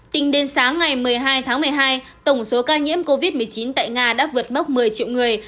tính đến sáng ngày một mươi hai tháng một mươi hai tổng số ca nhiễm covid một mươi chín tại nga đã vượt mốc một mươi triệu người